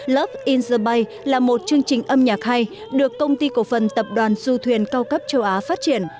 lớp in giờ bay là một chương trình âm nhạc hay được công ty cổ phần tập đoàn du thuyền cao cấp châu á phát triển